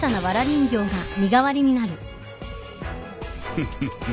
フフフフ。